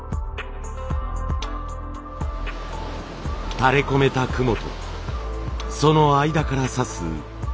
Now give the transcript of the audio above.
垂れこめた雲とその間からさす日の光。